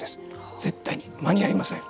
絶対に間に合いません。